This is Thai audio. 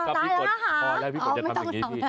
ได้แล้วครับพี่กด